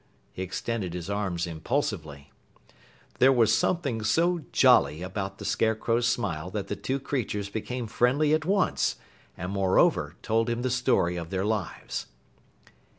He extended his arms impulsively. There was something so jolly about the Scarecrow's smile that the two creatures became friendly at once, and moreover told him the story of their lives.